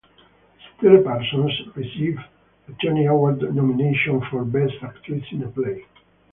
Estelle Parsons received a Tony Award nomination for Best Actress in a Play.